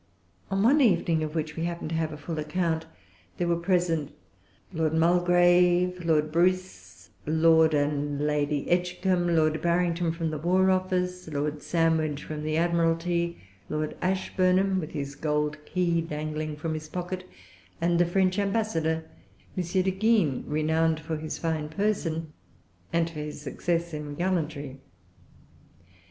On one evening, of which we happen to have a full account, there were present Lord Mulgrave, Lord Bruce, Lord and Lady Edgecumbe, Lord Barrington from the War Office, Lord Sandwich from the Admiralty, Lord Ashburnham, with his gold key dangling from his pocket, and the French Ambassador, M. de Guignes, renowned for his fine person and for his success in gallantry.